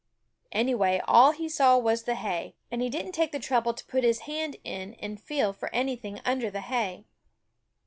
Anyway, all he saw was the hay, and he didn't take the trouble to put his hand in and feel for anything under the hay.